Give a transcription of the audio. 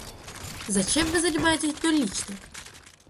Зачем Вы занимаетесь мной лично?